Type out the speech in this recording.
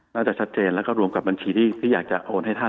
น่าจะชัดเจนแล้วก็รวมกับบัญชีที่อยากจะโอนให้ท่าน